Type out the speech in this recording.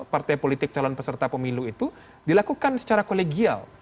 partai politik calon peserta pemilu itu dilakukan secara kolegial